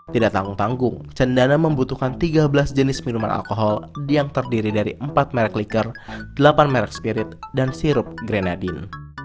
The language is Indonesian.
tidak tanggung tanggung cendana membutuhkan tiga belas jenis minuman alkohol yang terdiri dari empat merek liker delapan merek spirit dan sirup grenadin